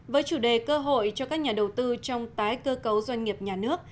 với chủ đề cơ hội cho các nhà đầu tư trong tái cơ cấu doanh nghiệp nhà nước